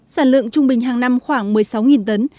sản lượng trung bình hàng năm khoảng một mươi sáu tấn